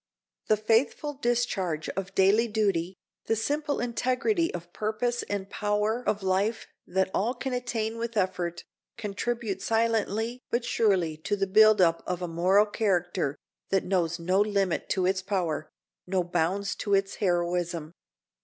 The faithful discharge of daily duty, the simple integrity of purpose and power of life that all can attain with effort, contribute silently but surely to the building up of a moral character that knows no limit to its power, no bounds to its heroism.